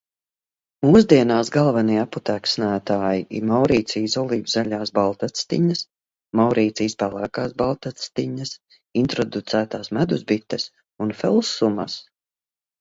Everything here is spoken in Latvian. Mūsdienās galvenie apputeksnētāji ir Maurīcijas olīvzaļās baltactiņas, Maurīcijas pelēkās baltactiņas, introducētās medusbites un felsumas.